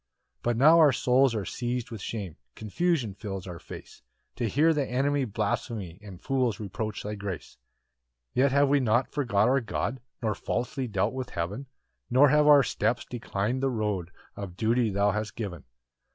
4 But now our souls are seiz'd with shame, Confusion fills our face, To hear the enemy blaspheme, And fools reproach thy grace. 5 Yet have we not forgot our God, Nor falsely dealt with heaven, Nor have our steps declin'd the road Of duty thou hast given.